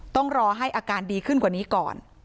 ต้องรอให้อาการดีขึ้นกว่านี้ก่อน